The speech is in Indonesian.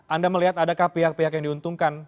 anda melihat adakah pihak pihak yang diuntungkan